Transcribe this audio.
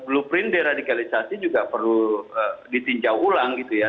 blueprint deradikalisasi juga perlu ditinjau ulang gitu ya